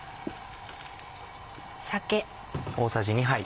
酒。